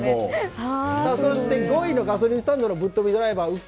そして５位のガソリンスタンドのぶっとびドライバー。